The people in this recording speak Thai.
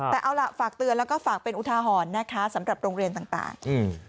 แต่เอาล่ะฝากเตือนแล้วก็ฝากเป็นอุทาหรณ์นะคะสำหรับโรงเรียนต่างต่างอืม